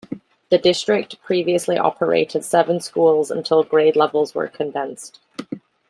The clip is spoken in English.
The district previously operated seven schools until grade levels were condensed.